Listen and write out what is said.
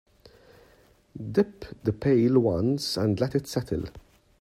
Dip the pail once and let it settle.